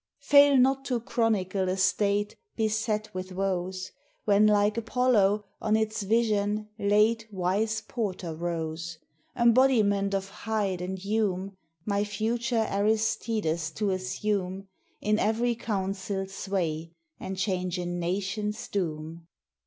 Fail not to chronicle a state, Beset with woes, When, like Apollo, on its vision late Wise Porter rose; Embodiment of Hyde and Hume My future Aristides to assume In every council sway, and change a nation's doom."